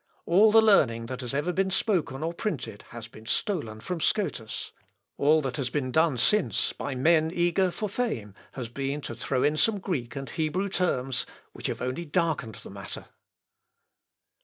All the learning that has ever been spoken or printed has been stolen from Scotus. All that has been done since by men eager for fame has been to throw in some Greek and Hebrew terms, which have only darkened the matter."